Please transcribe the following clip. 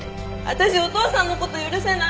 私お父さんの事許せない。